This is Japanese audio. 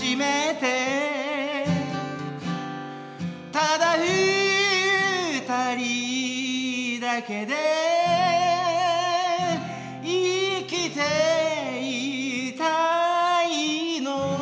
「ただ二人だけで生きていたいの」